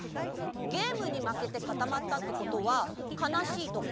ゲームにまけてかたまったってことはかなしいとか？